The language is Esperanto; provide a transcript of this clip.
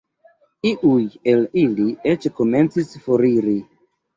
Iuj el ili eĉ komencis foriri.